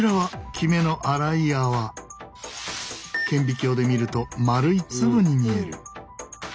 顕微鏡で見ると丸い粒に見える。